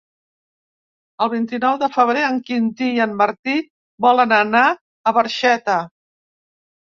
El vint-i-nou de febrer en Quintí i en Martí volen anar a Barxeta.